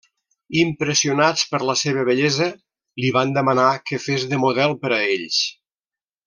Impressionats per la seva bellesa, li van demanar que fes de model per a ells.